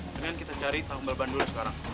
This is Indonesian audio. kemudian kita cari tombol bandulnya sekarang